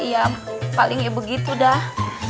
iya paling nggak begitu dah